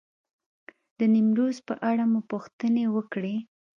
د نیمروز په اړه مو پوښتنې وکړې.